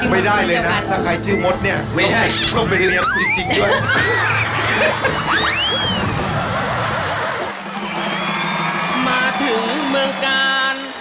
มาถึงเมืองกาล